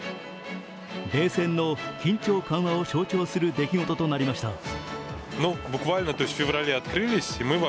冷戦の緊張緩和を象徴する出来事となりました。